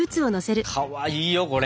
かわいいよこれ。